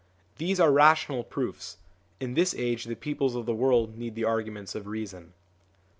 These are rational proofs ; in this age the peoples of the world need the arguments of reason.